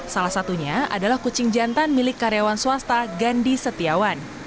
salah satunya adalah kucing jantan milik karyawan swasta gandhi setiawan